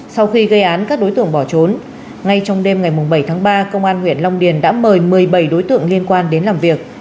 sau khi gây án các đối tượng bỏ trốn ngay trong đêm ngày bảy tháng ba công an huyện long điền đã mời một mươi bảy đối tượng liên quan đến làm việc